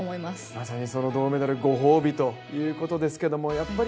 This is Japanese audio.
まさにその銅メダルご褒美ということですけど